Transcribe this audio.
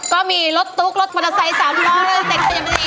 ก็มีรสตุ๊กรสมอเตอร์ไซส์สาวที่ร้อน